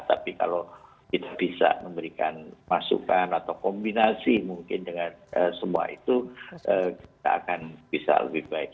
tapi kalau kita bisa memberikan masukan atau kombinasi mungkin dengan semua itu kita akan bisa lebih baik